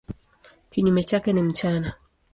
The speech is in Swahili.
Kinyume chake ni mchana.